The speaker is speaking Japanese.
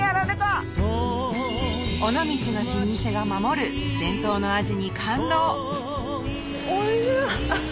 尾道の老舗が守る伝統の味に感動おいしい。